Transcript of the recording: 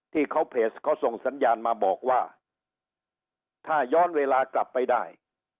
ที่เขาเพจเขาส่งสัญญาณมาบอกว่าถ้าย้อนเวลากลับไปได้